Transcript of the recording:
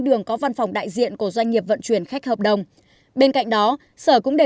đường có văn phòng đại diện của doanh nghiệp vận chuyển khách hợp đồng bên cạnh đó sở cũng đề